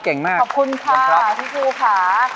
ขอบคุณค่ะพี่ฟูค่ะ